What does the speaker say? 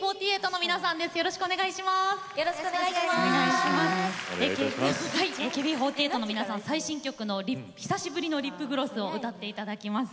ＡＫＢ４８の皆さんには最新曲の「久しぶりのリップグロス」を歌っていただきます。